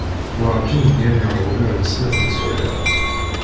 Werǧin gganeɣ ugar n snat n sswayeε.